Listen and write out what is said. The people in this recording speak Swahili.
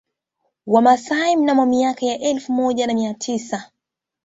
Wamasai mnamo miaka ya elfu moja na mia tisa